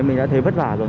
mình đã thấy vất vả rồi